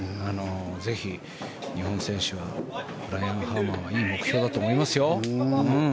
ぜひ、日本選手ブライアン・ハーマンはいい目標だと思いますよ。